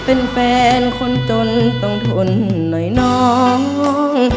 เป็นแฟนคนจนต้องทนหน่อยน้อง